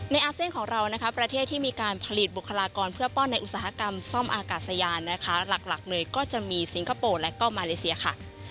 อาเซียนของเรานะคะประเทศที่มีการผลิตบุคลากรเพื่อป้อนในอุตสาหกรรมซ่อมอากาศยานนะคะหลักเลยก็จะมีสิงคโปร์และก็มาเลเซียค่ะ